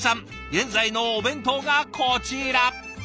現在のお弁当がこちら。